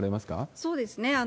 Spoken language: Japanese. そうですね。